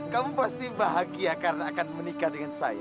kamu pasti bahagia karena akan menikah dengan saya